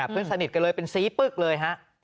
เพื่อนสนิทกันเลยเป็นซีปึ๊กเลยฮะ